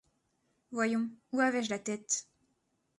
Voyons, où avais-je la tête ?